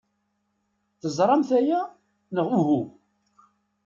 Teẓramt aya, neɣ uhu?